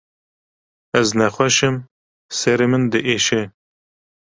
Ez nexweş im, serê min diêşe.